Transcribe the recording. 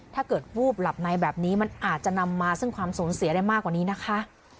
ถ้าเกิดวูบหลับในแบบนี้มันอาจจะนำมาซึ่งความสูญเสียได้มากกว่านี้นะคะ